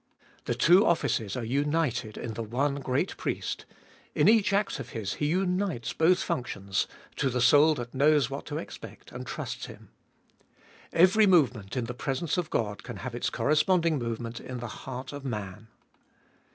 The two offices are united in the one great Priest ; in each act of His He unites both functions, to the soul that knows what to expect, and trusts Him. Every movement in the presence of God can have its corresponding movement in the heart of man.